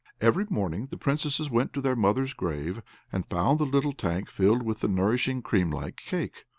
Every morning the Princesses went to their mother's grave, and found the little tank filled with the nourishing cream like cake.